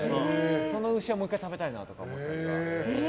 その牛をもう１回食べたいなって思ったり。